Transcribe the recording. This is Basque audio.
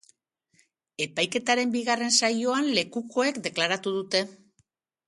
Epaiketaren bigarren saioan lekukoek deklaratu dute.